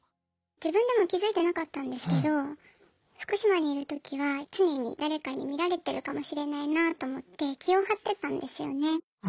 自分でも気づいてなかったんですけど福島にいる時は常に誰かに見られてるかもしれないなと思って気を張ってたんですよね。